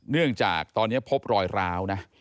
เนื่องจากตอนนี้พบรอยร้าวนะ